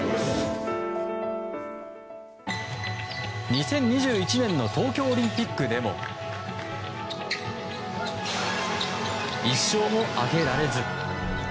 ２０２１年の東京オリンピックでも１勝も挙げられず。